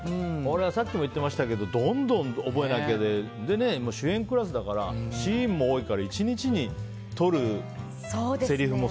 さっきも言ってましたけどどんどん覚えなきゃで主演クラスだからシーンも多くて１日に撮るせりふも